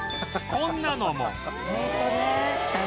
こんなのも